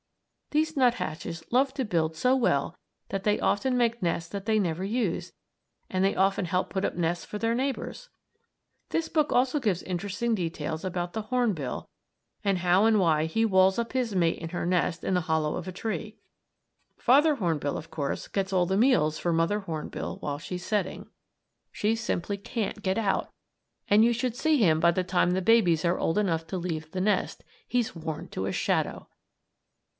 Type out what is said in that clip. These nuthatches love to build so well that they often make nests that they never use; and they even help put up nests for their neighbors! This book also gives interesting details about the hornbill, and how and why he walls up his mate in her nest in the hollow of a tree. Father Hornbill, of course, gets all the meals for Mother Hornbill, while she's setting. She simply can't get out, and you should see him by the time the babies are old enough to leave the nest. He's worn to a shadow!